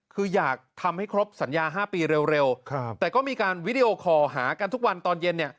คืออยากทำให้ครบสัญญา๕ปีเร็วแต่ก็มีการวิดีโอคอลหากันทุกวันตอนเย็นเนี่ย